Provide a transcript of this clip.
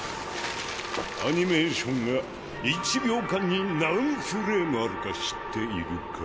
アニメーションが１秒間に何フレームあるか知っているか？